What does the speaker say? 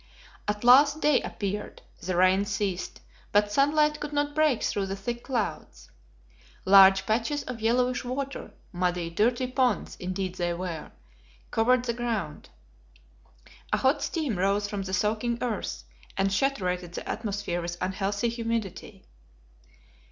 At last day appeared; the rain ceased, but sunlight could not break through the thick clouds. Large patches of yellowish water muddy, dirty ponds indeed they were covered the ground. A hot steam rose from the soaking earth, and saturated the atmosphere with unhealthy humidity.